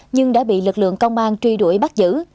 nhưng đã bị lực lượng công an truy đuổi bắt giữ